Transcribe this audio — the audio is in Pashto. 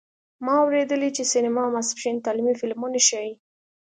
ما اوریدلي چې سینما ماسپښین تعلیمي فلمونه ښیې